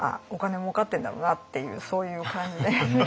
もうかってんだろうな」っていうそういう感じで見られて。